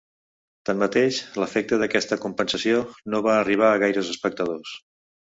Tanmateix, l’efecte d’aquesta ‘compensació’ no va arribar a gaires espectadors.